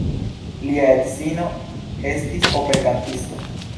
Lia edzino estis operkantisto.